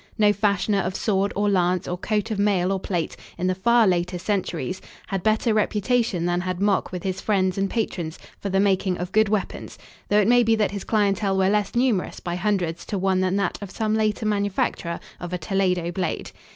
No fashioner of sword, or lance, or coat of mail or plate, in the far later centuries, had better reputation than had Mok with his friends and patrons for the making of good weapons, though it may be that his clientele was less numerous by hundreds to one than that of some later manufacturer of a Toledo blade.